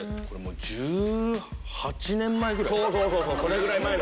これもう１８年前ぐらい？